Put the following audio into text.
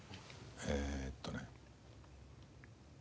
えーっとね。